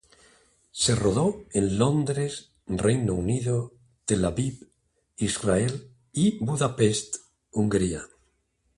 Se rodó en Londres, Reino Unido; Tel Aviv, Israel; y Budapest, Hungría.